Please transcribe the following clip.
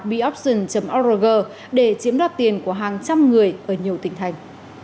beopsion org để chiếm đoạt tiền của hàng trăm người ở nhiều tỉnh thành